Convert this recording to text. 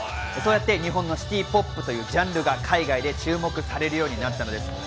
そうやって日本のシティポップというジャンルが海外で注目されるようになったのです。